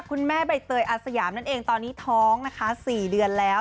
คุณแม่ใบเตยอาสยามนั่นเองตอนนี้ท้องนะคะ๔เดือนแล้ว